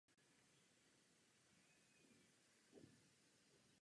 První šest básní tvoří expozici.